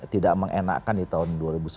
tidak mengenakan di tahun dua ribu sembilan belas